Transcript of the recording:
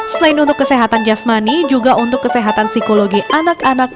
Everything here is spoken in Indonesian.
selain untuk kesehatan jasmani juga untuk kesehatan psikologi anak anak